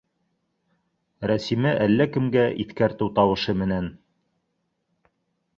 Рәсимә әллә кемгә иҫкәртеү тауышы менән: